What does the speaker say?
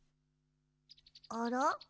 あら？